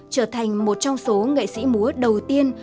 trở thành một trong số nghệ sĩ múa đầu tiên